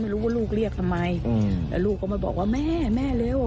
ไม่รู้ว่าลูกเรียกทำไมแต่ลูกก็มาบอกว่าแม่แม่เร็ว